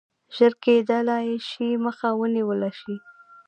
ژر کېدلای شي مخه ونیوله شي.